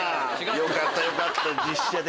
よかったよかった実写で。